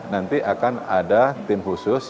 nanti akan ada tim khusus